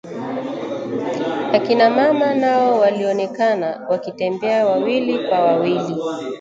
Akina mama nao walionekana wakitembea wawili kwa wawili